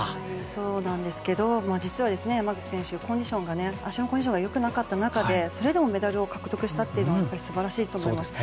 そうなんですけど実は山口選手足のコンディションが良くなかった中でそれでもメダルを獲得したというのはやっぱり素晴らしいと思います。